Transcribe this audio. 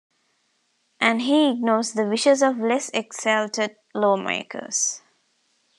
And he ignores the wishes of less-exalted lawmakers.